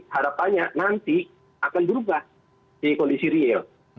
harapannya nanti akan berubah di kondisi real